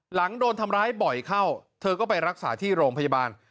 หลังโดนทำร้ายบ่อยเข้าเธอก็ไปรักษาที่โรงพยาบาล